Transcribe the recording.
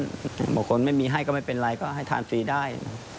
บางคนไม่มีให้ก็ไม่เป็นไรก็ให้ทานฟรีได้